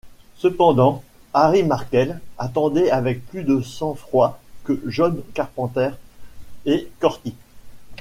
Cependant, Harry Markel attendait avec plus de sang-froid que John Carpenter et Corty.